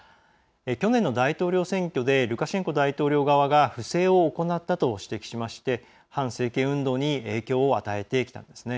去年の大統領選挙でルカシェンコ大統領側が不正を行ったと指摘しまして反政権運動に影響を与えてきたんですね。